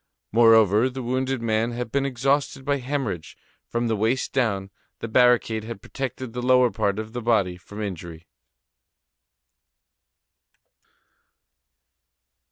Moreover, the wounded man had been exhausted by hemorrhage. From the waist down, the barricade had protected the lower part of the body from injury.